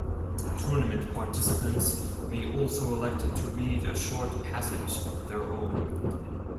Tournament participants may also elect to read a short passage of their own.